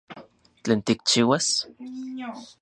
¿Tlen tikchiuas?